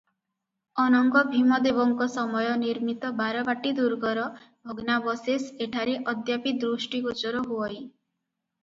ଅନଙ୍ଗଭୀମଦେବଙ୍କ ସମୟ ନିର୍ମିତ ବାରବାଟୀ ଦୁର୍ଗର ଭଗ୍ନାବଶେଷ ଏଠାରେ ଅଦ୍ୟାପି ଦୃଷ୍ଟିଗୋଚର ହୁଅଇ ।